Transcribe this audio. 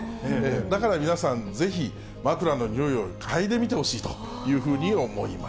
だから、皆さんぜひ、枕のにおいを嗅いでみてほしいというふうに思います。